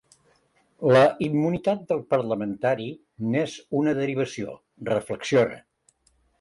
La immunitat del parlamentari n’és una derivació, reflexiona.